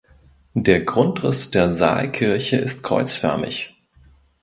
Der Grundriss der Saalkirche ist kreuzförmig.